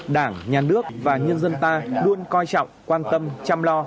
đảng nhà nước và nhân dân ta luôn coi trọng quan tâm chăm lo